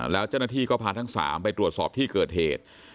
แล้วเจ้าหน้าที่ก็พาทั้ง๓ไปตรวจสอบที่เกิดเหตุ